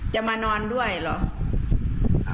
จะมานอนด้วยเหรอ